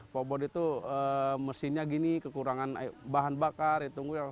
pak obot itu mesinnya gini kekurangan bahan bakar ditunggu